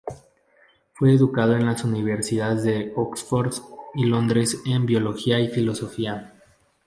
Fue educado en las universidades de Oxford y Londres en biología y filosofía.